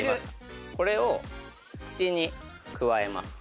これを口にくわえます。